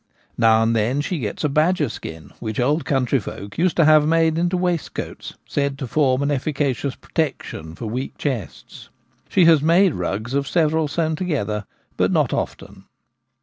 Now and then she gets a badger skin, which old country folk used to have made into waistcoats, said to form an efficacious pro tection for weak chests. She has made rugs of several sewn together, but not often.